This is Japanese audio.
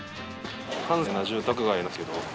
閑静な住宅街なんですけど。